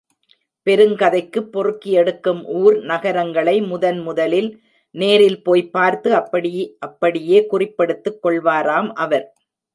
பெருங்கதைக்குப் பொறுக்கியெடுக்கும் ஊர், நகரங்களை முதன் முதலில் நேரில் போய்ப் பார்த்து அப்படி அப்படியே குறிப்பெடுத்துக் கொள்வாராம் அவர்.